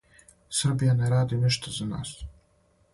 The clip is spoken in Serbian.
Србија не ради ништа за нас.